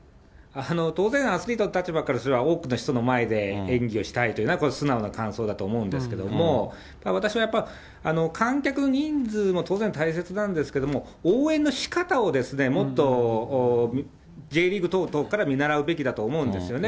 当然アスリートの立場からすれば、多くの人の前で演技をしたいというのは、これ、素直な感想だと思うんですけれども、ただ私はやっぱり、観客人数も当然、大切なんですけども、応援のしかたを、もっとＪリーグ等々から見習うべきだと思うんですよね。